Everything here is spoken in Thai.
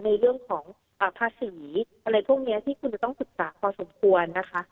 ในเรื่องของภาษีอะไรพวกนี้ที่คุณจะต้องศึกษาพอสมควรนะคะ